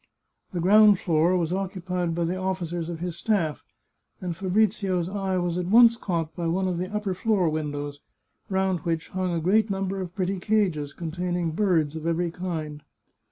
The ground floor was occupied by the officers of his staff, and Fabrizio's eye was at once caught by one of the upper floor windows, round which hung a great number of pretty cages, contain ing birds of every kind.